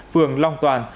phường long toàn